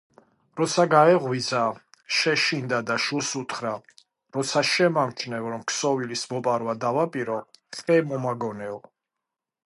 როცა გაეღვიძა, შეშინდა და შვილს უთხრა: როცა შემამჩნევ რომ ქსოვილის მოპარვა დავაპირო, ხე მომაგონეო!